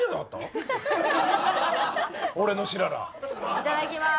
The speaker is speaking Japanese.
いただきまーす。